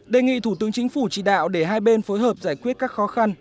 đề nghị thủ tướng chính phủ chỉ đạo để hai bên phối hợp giải quyết các khó khăn